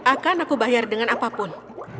akan aku bayar dengan apapun